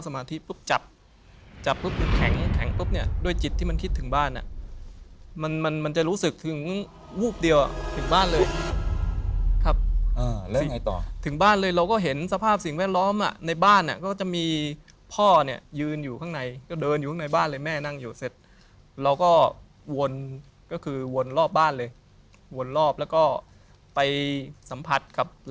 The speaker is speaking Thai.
ไม่เหลือละครับผมมันไม่เหลือละครับ